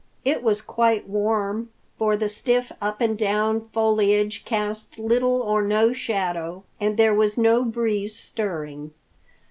It was quite warm, for the stiff up and down foliage cast little or no shadow, and there was no breeze stirring.